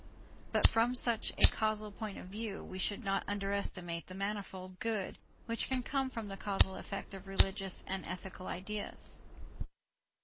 But from such a causal point of view, we should not underestimate the manifold good which can come from the causal effect of religious and ethical ideas.